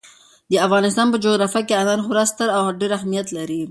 د افغانستان په جغرافیه کې انار خورا ستر او ډېر اهمیت لري.